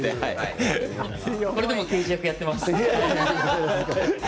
これでも刑事役をやってます。